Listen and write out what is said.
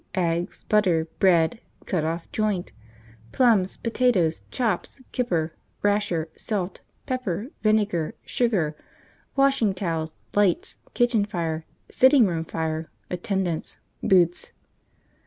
Eggs. Butter. Bread. Cut off joint. Plums. Potatoes. Chops. Kipper. Rasher. Salt. Pepper. Vinegar. Sugar. Washing towels. Lights. Kitchen fire. Sitting room fire. Attendance. Boots.